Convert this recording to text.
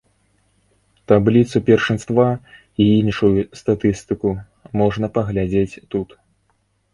Табліцу першынства і іншую статыстыку можна паглядзець тут.